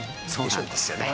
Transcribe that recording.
そうなんですよね。